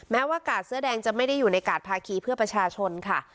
แม้ว่ากาดเสื้อแดงจะไม่ได้อยู่ในกาดภาคีเพื่อประชาชนค่ะ